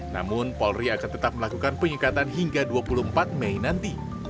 namun polri akan tetap melakukan penyekatan hingga dua puluh empat mei nanti